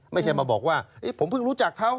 ไม่ใช่มาบอกว่าผมเพิ่งรู้จักเขา